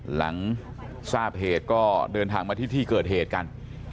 หลังทราบเหตุก็เดินทางมาที่ที่เกิดเหตุกัน